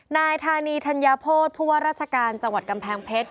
นายธานีธัญโภษผู้ว่าราชการจังหวัดกำแพงเพชร